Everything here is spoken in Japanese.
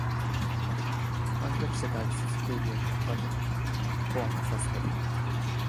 叛逆者でありつづけるよりほかに途はなさそうだ